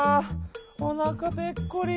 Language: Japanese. おなかぺっこり。